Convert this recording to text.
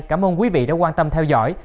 cảm ơn quý vị đã quan tâm theo dõi